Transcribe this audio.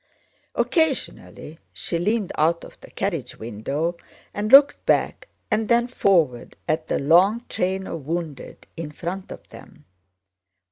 Occasionally she leaned out of the carriage window and looked back and then forward at the long train of wounded in front of them.